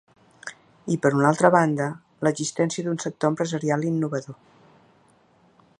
I, per una altra banda, l’existència d’un sector empresarial innovador.